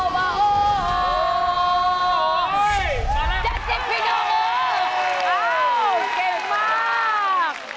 ๗๐พี่เกมมาก